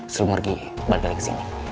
sebelum pergi balik lagi kesini